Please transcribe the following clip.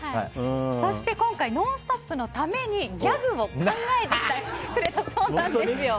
そして今回「ノンストップ！」のためにギャグを考えてきてくれたそうなんです。